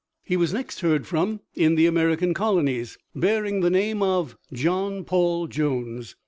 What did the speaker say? He was next heard from in the American Colonies, bearing the name of John Paul Jones.